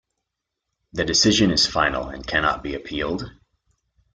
The decision is final and cannot be appealed.